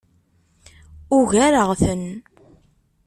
Ugareɣ-ten.